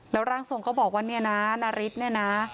แล้วรางศูนย์เขาบอกว่านี่นะนาริศนี่นะ